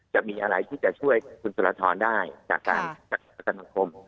จะมีอะไรที่จะช่วยคุณสุรทรได้จากการจัดประกันสังคม